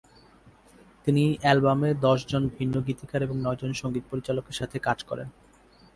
তিনি অ্যালবামে দশজন ভিন্ন গীতিকার এবং নয়জন সঙ্গীত পরিচালকের সাথে কাজ করেন।